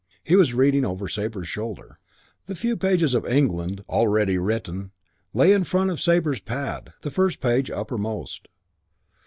He was reading over Sabre's shoulder. The few pages of "England" already written lay in front of Sabre's pad, the first page uppermost.